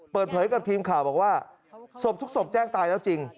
เปิดเผยกับทีมข่าวบอกว่าศพทุกศพแจ้งตายแล้วจริง